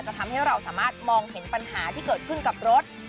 ทำให้เราสามารถมองเห็นปัญหาที่เกิดขึ้นกับรถ